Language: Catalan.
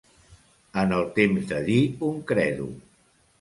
En el temps de dir un credo.